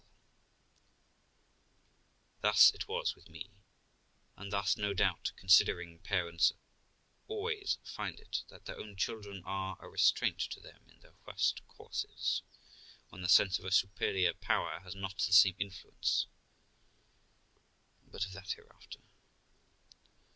THE LIFE OF ROXANA 315 Thus it was with me; and thus, no doubt, considering parents always find it, that their own children are a restraint to them in their worst courses, when the sense of a superior power has not the same influence. But of that hereafter.